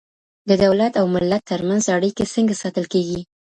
د دولت او ملت ترمنځ اړيکې څنګه ساتل کېږي؟